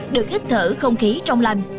được hít thở không khí trong lành